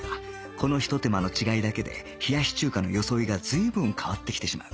このひと手間の違いだけで冷やし中華の装いが随分変わってきてしまう